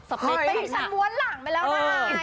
สเปคไปชั้นว้นหลังไปแล้วนะ